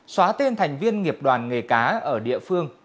xóa tên thành viên nghiệp đoàn nghề cá ở địa phương